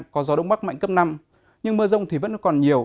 có gió đông bắc mạnh cấp năm nhưng mưa rông thì vẫn còn nhiều